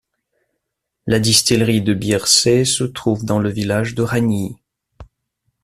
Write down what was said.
La distillerie de Biercée se trouve dans le village de Ragnies.